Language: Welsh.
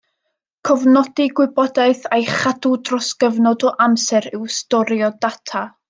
Cofnodi gwybodaeth a'i chadw dros gyfnod o amser yw storio data.